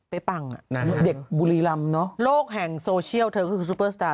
ไปปั้งอ่ะนางเด็กบุรีลำเนอะโลกแห่งโซเชียลเธอคือซูเปอร์สตาร์